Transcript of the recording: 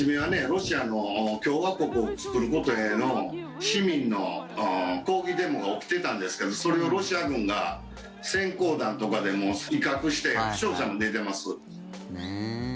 ロシアの共和国を作ることへの市民の抗議デモが起きてたんですけどそれをロシア軍が閃光弾とかで威嚇して負傷者も出てます。